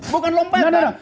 bukan lompat pak